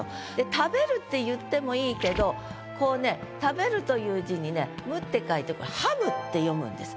「食べる」って言ってもいいけどこうね「食べる」という字にね「む」って書いてこれ「はむ」って読むんです。